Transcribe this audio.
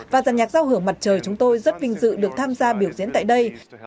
và giàn nhạc giao hưởng mặt trời chúng tôi rất vinh dự được tham gia biểu diễn tại đây